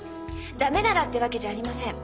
駄目ならってわけじゃありません。